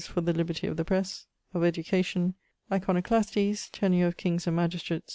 for the libertie of the presse. Of Education. Iconoclastes. Tenure of Kings and Magistrates.